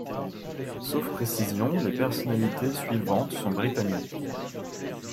Sauf précision, les personnalités suivantes sont britanniques.